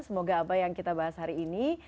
semoga apa yang kita bahas hari ini